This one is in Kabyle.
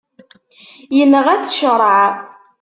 Yenɣa-t ccreɛ.